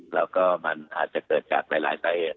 แล้วก็มันอาจจะเกิดจากหลายสาเหตุ